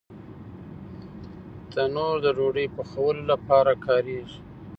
تنور د ډوډۍ پخولو لپاره کارېږي